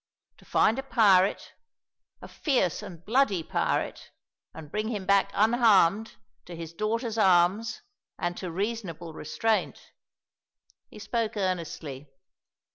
To find a pirate, a fierce and bloody pirate, and bring him back unharmed to his daughter's arms and to reasonable restraint. He spoke earnestly.